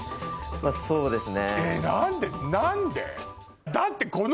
まぁそうですね